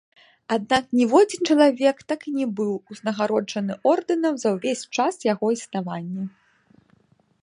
Аднак ніводзін чалавек так і не быў узнагароджаны ордэнам за ўвесь час яго існавання.